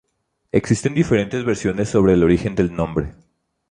Existen diferentes versiones sobre el origen del nombre.